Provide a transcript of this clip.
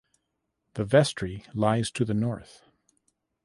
The vestry lies to the north.